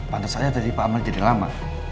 pantes aja tadi pak amar jadi lama